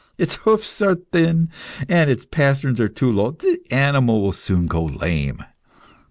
Its hoofs are thin, and the pasterns are too low; the animal will soon go lame."